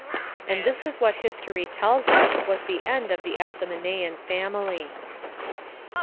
And this is what history tells us was the end of the Asamonean family.